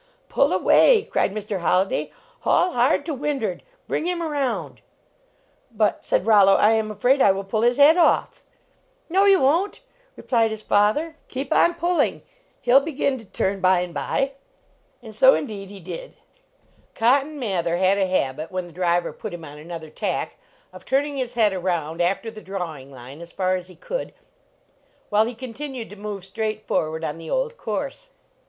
" Pull away," cried Mr. Holliday " Haul hard to wind ard ! Bring him around !" "But," said Rollo, " I am afraid I will pull his head off!" "No, you won t," replied his father, " keep on pulling, he ll begin to turn by and by." 84 LEARNING TO TRAVEL And so, indeed, he did. Cotton Mather had a habit, when the driver put him on another tack, of turning his head around after the drawing line as far as he could, while he continued to move straight forward on the old course.